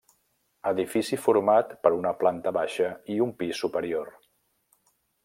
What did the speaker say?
Edifici format per una planta baixa i un pis superior.